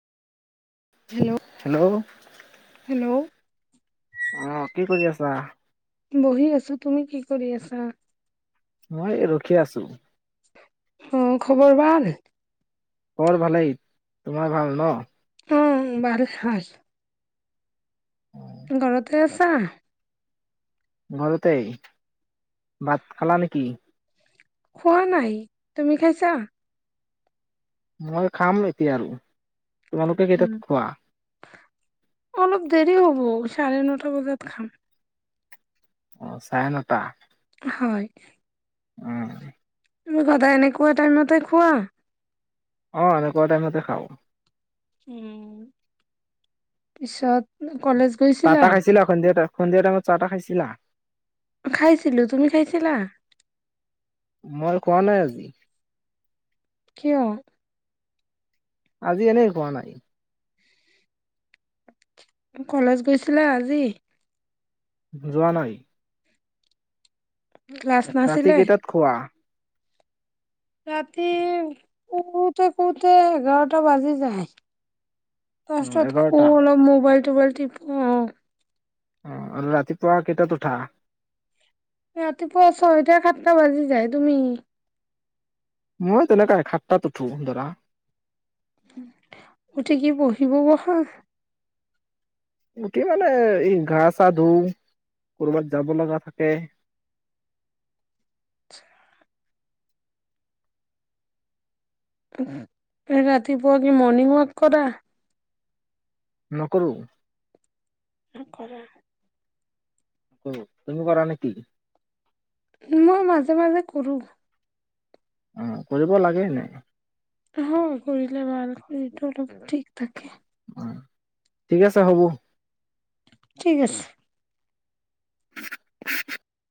Hello? Hello ' hello? অহ কি কৰি আছা? বহি আছো। তুমি কি কৰি আছা? মই ৰখি আছো। অহ খবৰ ভাল? খবৰ ভালেই, তোমাৰ ভাল ন? অ' ভাল ভাল। ঘৰতে আছা? মাজতেই ভাত খালা নেকি? খোৱা নাই, তুমি খাইছা? মই খাম এতিয়া আৰু তোমালোকে উম, কেইটাত খোৱা অলপ দেৰি হব। চাৰে নটা বজাত খাম। অ' চাৰেনতা হয়- উম তুমি সদায় এনেকুৱা টাইমতে খোৱা অ এনেকুৱা টাইমতে খাওঁ। উ পিছত কলেজ গৈছিলা পাটা খাইছিলা [unintelligible] সন্ধিয়া টাইমত চাহ তাহ খাইছিলা? খাইছিলো। তুমি খাইছিলা? মই খোৱা নাই আজি কিয়? আজি এনেই খোৱা নাই। কলেজ গৈছিলা আজি? যোৱা নাই ক্লাছ ৰাতি নাছিলে কেইটাত খোৱা? ৰাতি শোওঁতে-শোওঁতে এঘাৰটা বাজি যায়। তাৰপিছত খু এঘাৰটা অলব মোবাইল তোৰ বালতি পো অ অ আৰু ৰাতিপুৱা কেইটাত উঠা? ৰাতিপুৱা ছয় টা সাতটা বাজি যায় তুমি মই তেনেকুৱা এ সাতটাত উঠো ধৰা। উ উঠি কি পঢ়িব বহা গোটেই মানে ঘা চা ধুও কবাত যাব লগা থাকে ৰাতিপুৱা কি মৰ্ণিং ৱাক কৰা নকৰোঁ। কৰা। তুমি কৰা নেকি মই মাজে মাজে কৰো অ কৰিব লাগে এনেই অহ কৰিলে ভাল এইটো অলপ ঠিক থাকে ঠিক আছে হ'ব ঠিক আছে